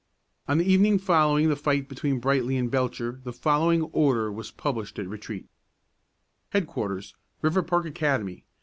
On the evening following the fight between Brightly and Belcher the following order was published at retreat: HEADQUARTERS, RIVERPARK ACADEMY.